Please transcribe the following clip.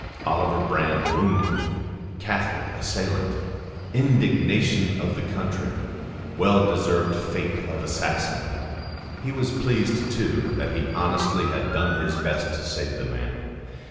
"Oliver Brand wounded.... Catholic assailant.... Indignation of the country.... Well deserved fate of assassin." He was pleased, too, that he honestly had done his best to save the man.